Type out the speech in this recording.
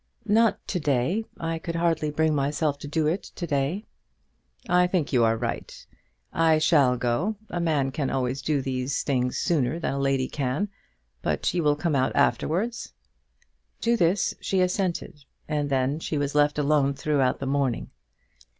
"Not to day. I could hardly bring myself to do it to day." "I think you are right. I shall go. A man can always do these things sooner than a lady can. But you will come out afterwards?" To this she assented, and then she was left alone throughout the morning.